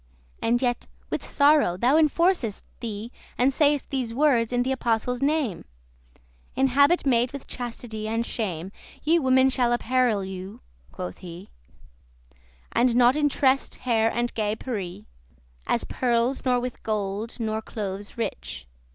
And yet, — with sorrow! — thou enforcest thee, And say'st these words in the apostle's name: 'In habit made with chastity and shame* *modesty Ye women shall apparel you,' quoth he,<15> 'And not in tressed hair and gay perrie,* *jewels As pearles, nor with gold, nor clothes rich.